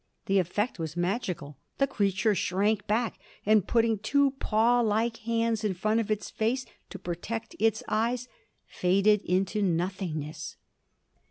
The effect was magical; the creature shrank back, and putting two paw like hands in front of its face to protect its eyes, faded into nothingness.